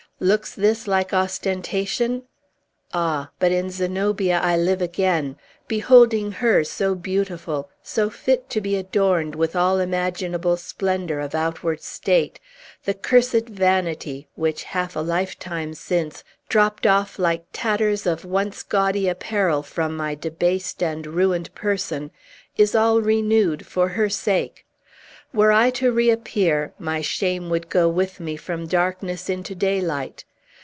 Looks this like ostentation? Ah! but in Zenobia I live again! Beholding her, so beautiful, so fit to be adorned with all imaginable splendor of outward state, the cursed vanity, which, half a lifetime since, dropt off like tatters of once gaudy apparel from my debased and ruined person, is all renewed for her sake. Were I to reappear, my shame would go with me from darkness into daylight.